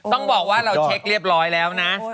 ต้องบอกว่าเราเช็คเรียบร้อยแล้วนะ